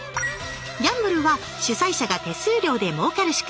ギャンブルは主催者が手数料でもうかる仕組み。